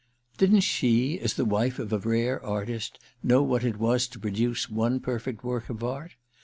Didn't she, as the wife of a rare artist, know what it was to produce one perfect work of art?